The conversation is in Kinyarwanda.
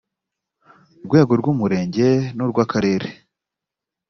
rwego rw umurenge n urw akarere